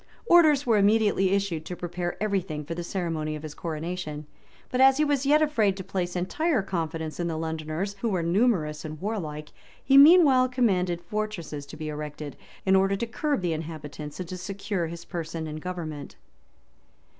Orders were immediately issued to prepare every thing for the ceremony of his coronation; but as he was yet afraid to place entire confidence in the Londoners, who were numerous and warlike, he meanwhile commanded fortresses to be erected, in order to curb the inhabitants, and to secure his person and government.